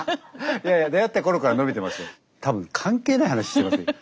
いやいや出会った頃から伸びてましたよ。